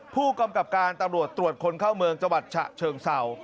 ผู้กำกับการตำรวจตรวจคนเข้าเมืองจังหวัดฉะเชิงเศร้า